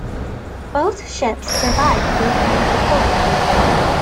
Both ships survived to return to port.